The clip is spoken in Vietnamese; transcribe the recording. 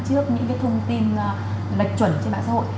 trước những thông tin lệch chuẩn trên mạng xã hội